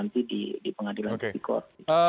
nanti di pengadilan sikor